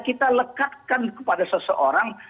kita lekatkan kepada seseorang